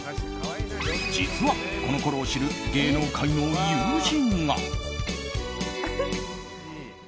実は、このころを知る芸能界の友人が。